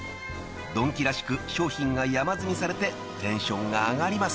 ［ドンキらしく商品が山積みされてテンションが上がります］